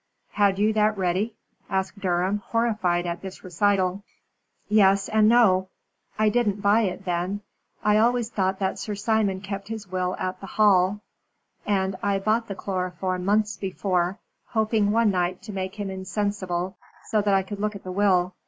"Had you that ready?" asked Durham, horrified at this recital. "Yes and no. I didn't buy it then. I always thought that Sir Simon kept his will at the Hall, and I bought the chloroform months before, hoping one night to make him insensible, so that I could look at the will.